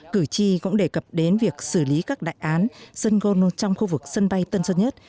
cử tri cũng đề cập đến việc xử lý các đại án sân gôn trong khu vực sân bay tân sơn nhất